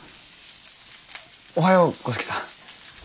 おはよう五色さん。